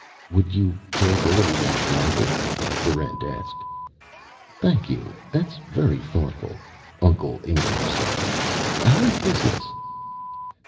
"Would you care for a little wine, Uncle?" Barrent asked. "Thank you, that's very thoughtful," Uncle Ingemar said. "How is business?"